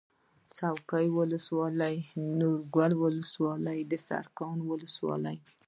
څوکۍ ولسوالي نورګل ولسوالي سرکاڼو ولسوالي